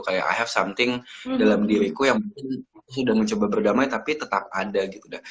kayak i have something dalam diriku yang mungkin sudah mencoba berdamai tapi tetap ada gitu